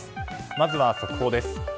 まずは速報です。